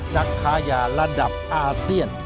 นะฆะยาระดับอาเซียร